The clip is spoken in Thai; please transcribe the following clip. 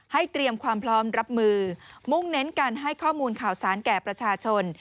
เตรียมความพร้อมรับมือมุ่งเน้นการให้ข้อมูลข่าวสารแก่ประชาชน